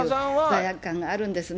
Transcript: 罪悪感があるんですね。